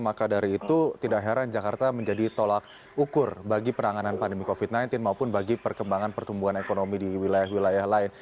maka dari itu tidak heran jakarta menjadi tolak ukur bagi penanganan pandemi covid sembilan belas maupun bagi perkembangan pertumbuhan ekonomi di wilayah wilayah lain